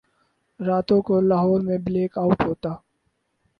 راتوں کو لاہور میں بلیک آؤٹ ہوتا۔